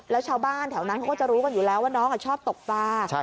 แล้วชาวบ้านแถวนั้นเขาก็จะรู้กันอยู่แล้วว่าน้องชอบตกปลา